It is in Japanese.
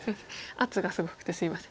圧がすごくてすいません。